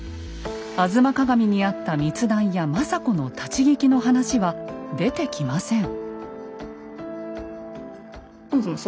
「吾妻鏡」にあった密談や政子の立ち聞きの話は出てきません。